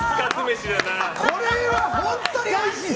これは本当においしい！